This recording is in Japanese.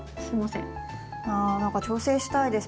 あ何か調整したいです。